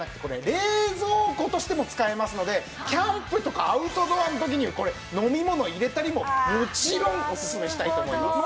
冷蔵庫としても使えますのでキャンプとかアウトドアの時にこれ飲み物入れたりももちろんおすすめしたいと思います。